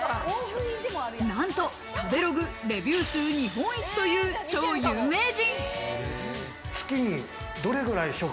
なんと食べログレビュー数、日本一という超有名人。